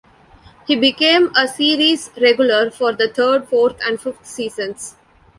He became a series regular for the third, fourth, and fifth seasons.